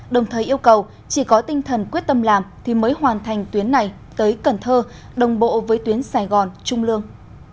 đồng thời yêu cầu chỉ có tinh thần quyết tâm làm thì mới hoàn thành tuyến này tới cần thơ đồng bộ với tuyến sài gòn trung lương